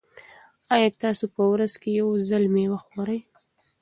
ایا تاسي په ورځ کې یو ځل مېوه خورئ؟